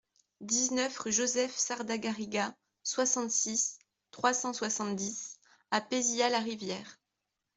dix-neuf rue Joseph Sarda Garriga, soixante-six, trois cent soixante-dix à Pézilla-la-Rivière